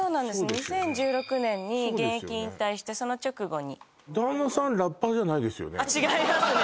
２０１６年に現役引退してその直後に旦那さんあっ違いますね